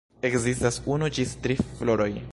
Ekzistas unu ĝis tri floroj.